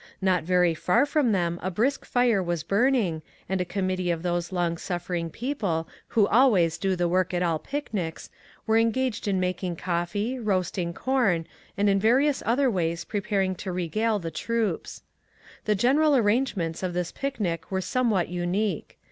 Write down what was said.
Not very fur from them a brisk fire was burning, and a committee of those long suffering people who always do the work at all picnics were engaged in mak ing coffee, roasting corn, and in various other ways preparing to regale the groups. The general arrangements of this picnic were somewhat unique.